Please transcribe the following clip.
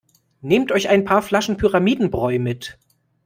Nehmt euch ein paar Flaschen Pyramidenbräu mit!